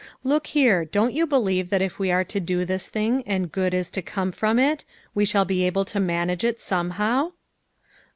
Look here, don't you believe that if we are to do this thing and good is to come from it, we shall be able to manage it somehow